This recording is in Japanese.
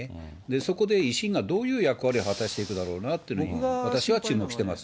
そこで維新がどういう役割を果たしていくんだろうなと、私は注目してます。